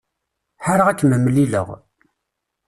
Ḥareɣ ad kem-mlileɣ.